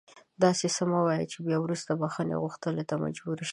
داسې څه مه وایه چې بیا وروسته بښنې غوښتلو ته مجبور شې